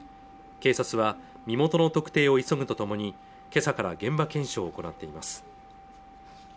警察は身元の特定を急ぐとともにけさから現場検証を行っています